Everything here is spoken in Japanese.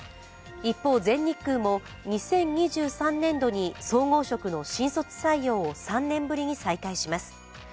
一方全日空も、２０２３年度に総合職の新卒採用を３年ぶりに再開します。